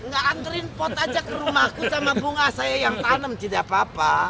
gak angerin pot aja ke rumahku sama bunga saya yang tanam tidak apa apa